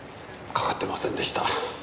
かかってませんでした。